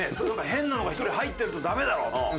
変なのが１人入ってるとダメだろと。